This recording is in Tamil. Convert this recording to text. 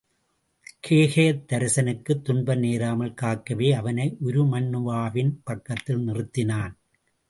கேகயத்தரசனுக்குத் துன்பம் நேராமல் காக்கவே அவனை உருமண்ணுவாவின் பக்கத்தில் நிறுத்தினான்.